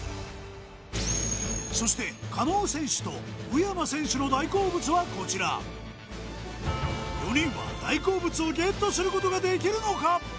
そして加納選手と宇山選手の大好物はこちら４人は大好物をＧＥＴすることができるのか？